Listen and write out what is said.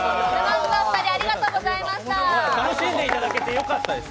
楽しんでいただけてよかったです。